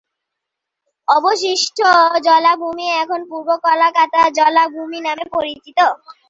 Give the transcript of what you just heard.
অবশিষ্ট জলাভূমি এখন পূর্ব কলকাতা জলাভূমি নামে পরিচিত।